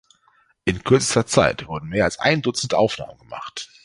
In kürzester Zeit wurde mehr als ein Dutzend Aufnahmen gemacht.